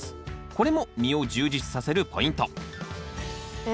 これも実を充実させるポイントえ